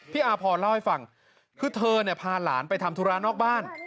อาพรเล่าให้ฟังคือเธอเนี่ยพาหลานไปทำธุระนอกบ้าน